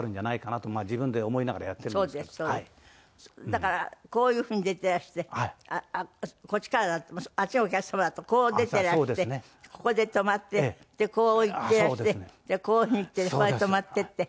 だからこういう風に出ていらしてこっちからあっちがお客様だとこう出ていらしてここで止まってでこう行っていらしてこういう風に行ってここで止まってって。